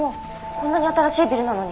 こんなに新しいビルなのに。